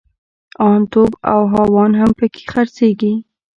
ان توپ او هاوان هم پکښې خرڅېږي.